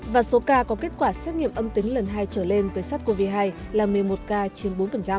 và số ca có kết quả xét nghiệm âm tính lần hai trở lên với sars cov hai là một mươi một ca chiếm bốn